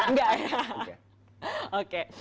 enggak ya oke